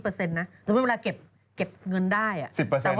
เปอร์เซ็นต์น่ะแต่ไม่เวลาเก็บเก็บเงินได้อ่ะสิบเปอร์เซ็นต์